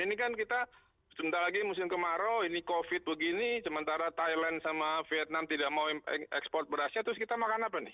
ini kan kita sebentar lagi musim kemarau ini covid begini sementara thailand sama vietnam tidak mau ekspor berasnya terus kita makan apa nih